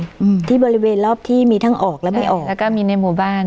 อืมที่บริเวณรอบที่มีทั้งออกและไม่ออกแล้วก็มีในหมู่บ้าน